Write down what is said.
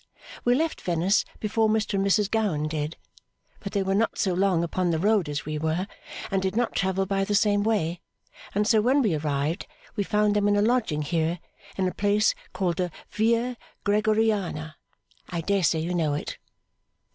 We left Venice before Mr and Mrs Gowan did, but they were not so long upon the road as we were, and did not travel by the same way, and so when we arrived we found them in a lodging here, in a place called the Via Gregoriana. I dare say you know it.